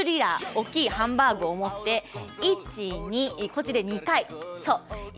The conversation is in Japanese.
大きいハンバーグを持って１、２２回ずつ。